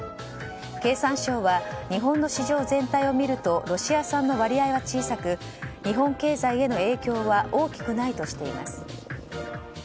経産省は日本の市場全体を見るとロシア産の割合は小さく日本経済の影響は大きくないとしています。